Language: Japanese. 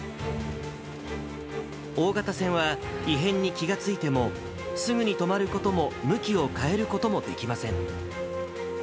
大型船は異変に気が付いても、すぐに止まることも、向きを変えることもできません。